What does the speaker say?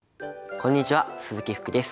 こんにちは鈴木福です。